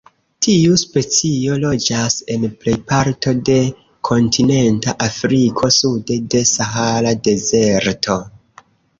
Tiu specio loĝas en plej parto de kontinenta Afriko sude de Sahara Dezerto.